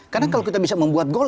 karena kalau kita bisa membuat gol